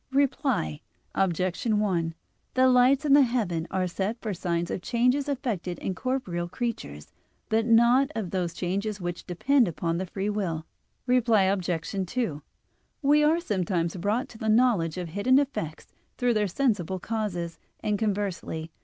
Reply Obj. 1: The lights in the heaven are set for signs of changes effected in corporeal creatures, but not of those changes which depend upon the free will. Reply Obj. 2: We are sometimes brought to the knowledge of hidden effects through their sensible causes, and conversely.